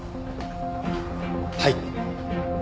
はい。